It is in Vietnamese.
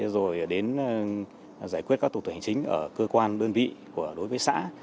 rồi đến giải quyết các thủ tục hành chính ở cơ quan đơn vị đối với xã